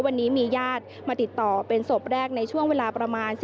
วันนี้มีญาติมาติดต่อเป็นศพแรกในช่วงเวลาประมาณ